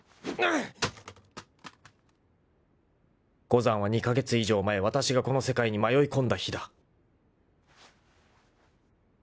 ［五山は２カ月以上前わたしがこの世界に迷いこんだ日だ］